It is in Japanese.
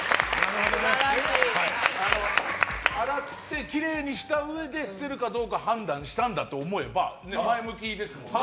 洗って、きれいにしたうえで捨てるかどうか判断したんだと思えば前向きですよね。